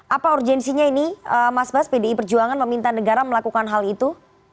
apa urgensinya ini mas bas pdi perjuangan meminta negara melakukan hal itu